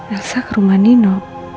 elsa ke rumah nino